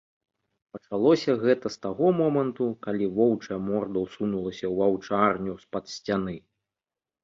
Пачалося гэта з таго моманту, калі воўчая морда ўсунулася ў аўчарню з-пад сцяны.